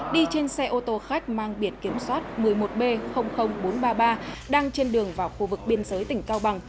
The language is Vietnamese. đi trên xe ô tô khách mang biển kiểm soát một mươi một b bốn trăm ba mươi ba đang trên đường vào khu vực biên giới tỉnh cao bằng